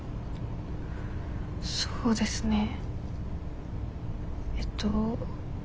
そうですねえっと。